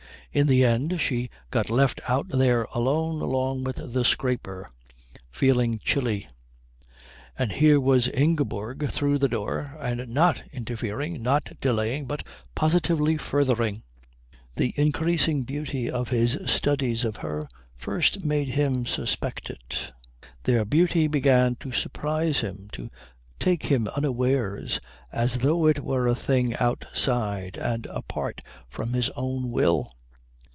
In the end she got left out there alone, along with the scraper, feeling chilly. And here was Ingeborg through the door, and not interfering, not delaying, but positively furthering. The increasing beauty of his studies of her first made him suspect it. Their beauty began to surprise him, to take him unawares, as though it were a thing outside and apart from his own will.